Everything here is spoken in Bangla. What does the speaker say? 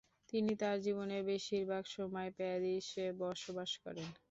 তিনি তার জীবনের বেশিরভাগ সময় প্যারিসে বসবাস করেন।